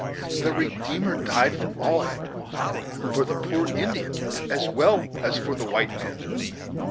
The Redeemer died for all, for the poor Indian as well as for the white man.